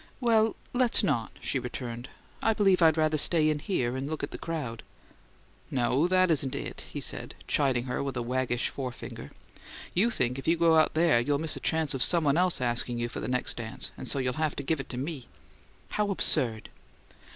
"Well let's not," she returned. "I believe I'd rather stay in here and look at the crowd." "No; that isn't it," he said, chiding her with a waggish forefinger. "You think if you go out there you'll miss a chance of someone else asking you for the next dance, and so you'll have to give it to me." "How absurd!"